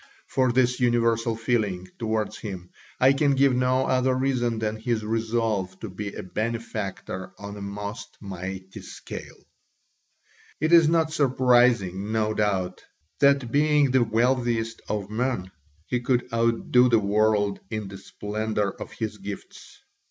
For this universal feeling towards him I can give no other reason than his resolve to be a benefactor on a most mighty scale. It is not surprising, no doubt, that being the wealthiest of men, he could outdo the world in the splendour of his gifts.